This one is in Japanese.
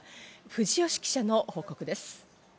藤吉記者の報告です。